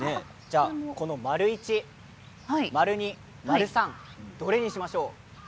１、２、３どれにしましょう？